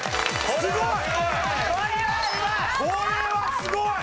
これはすごい！